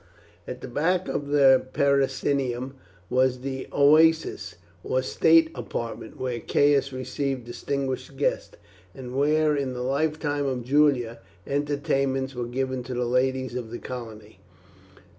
At the back of the peristylium was the oecus, or state apartment, where Caius received distinguished guests, and where, in the lifetime of Julia, entertainments were given to the ladies of the colony.